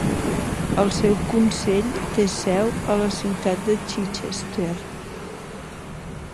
El seu consell té seu a la ciutat de Chichester.